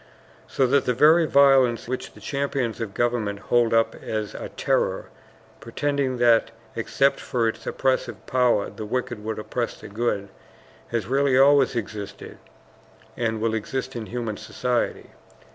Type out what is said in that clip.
So that the very violence which the champions of government hold up as a terror pretending that except for its oppressive power the wicked would oppress the good has really always existed and will exist in human society.